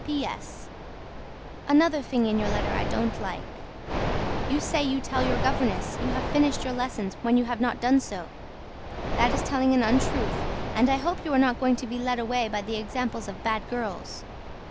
P.S. ANOTHER THING IN YOUR LETTER I DON'T LIKE. YOU SAY YOU TELL YOUR GOVERNESS YOU HAVE FINISHED YOUR LESSONS WHEN YOU HAVE NOT DONE SO. THAT IS TELLING AN UNTRUTH AND I HOPE YOU ARE NOT GOING TO BE LED AWAY BY THE EXAMPLES OF BAD GIRLS.